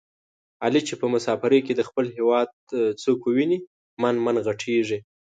علي چې په مسافرۍ کې د خپل هېواد څوک وویني من من ِغټېږي.